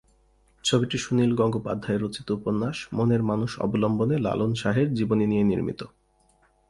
ছবিটি সুনীল গঙ্গোপাধ্যায় রচিত উপন্যাস "মনের মানুষ" অবলম্বনে লালন শাহের জীবনী নিয়ে নির্মিত।